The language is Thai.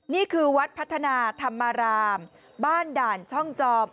นี่คือวัดพัฒนาธรรมารามบ้านด่านช่องจอม